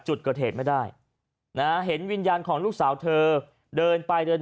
จุดเกิดเหตุไม่ได้นะเห็นวิญญาณของลูกสาวเธอเดินไปเดินมา